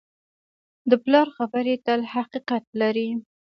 د پلار خبرې تل حقیقت لري.